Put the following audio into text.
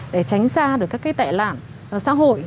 để tránh xa được các tệ lạng xã hội